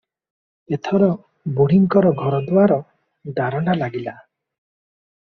ଏଥର ବୁଢ଼ୀଙ୍କର ଘରଦୁଆର ଦରଣ୍ଡା ଲାଗିଲା ।